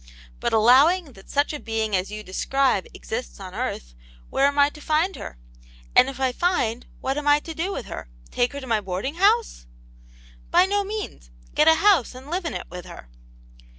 "But allowing that such a being as you describe exists on earth, where am I to find her ? And if I find, what am I to do with her ? Take her to my boarding house ?"" By no means. Get a house and live in it with her."